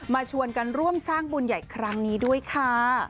ชวนกันร่วมสร้างบุญใหญ่ครั้งนี้ด้วยค่ะ